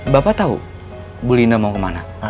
bapak tahu bu linda mau kemana